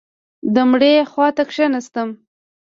د مړي خوا ته کښېناسته.